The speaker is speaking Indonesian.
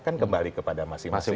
kan kembali kepada masing masing